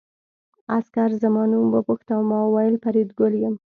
عسکر زما نوم وپوښت او ما وویل فریدګل یم